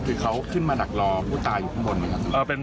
คือเขาขึ้นมาดักรอผู้ตายอยู่ข้างบน